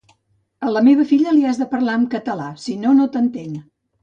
A meva filla li has de parlar amb català sinó no t'entén